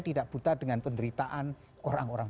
tidak buta dengan penderitaan orang orang